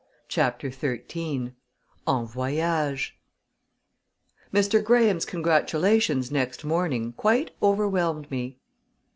CHAPTER XIII En Voyage Mr. Graham's congratulations next morning quite overwhelmed me.